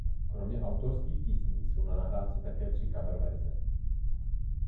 Kromě autorských písní jsou na nahrávce také tři coververze.